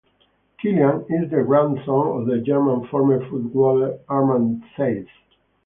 Kilian is the grandson of the German former footballer Amand Theis.